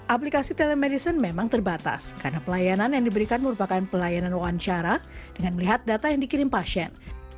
aplikasi telemedicine memang terbatas karena pelayanan yang diberikan merupakan pelayanan wawancara dengan melihat data yang dikirim pasien